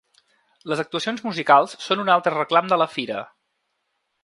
Les actuacions musicals són un altre reclam de la fira.